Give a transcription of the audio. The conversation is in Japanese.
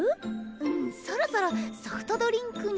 うんそろそろソフトドリンクに。